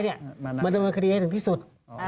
มาดำเนินคดีให้ถึงที่สุด